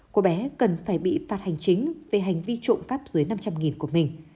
cô bé cần phải bị phạt hành chính về hành vi trộm cắp dưới năm trăm linh của mình